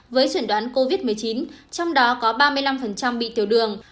với chuẩn đoán covid một mươi chín trong đó có ba mươi năm bị tiểu đường